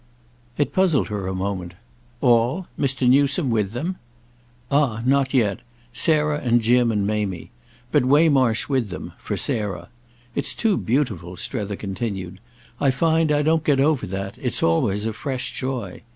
It puzzled her a moment. "All?—Mr. Newsome with them?" "Ah not yet! Sarah and Jim and Mamie. But Waymarsh with them—for Sarah. It's too beautiful," Strether continued; "I find I don't get over that—it's always a fresh joy.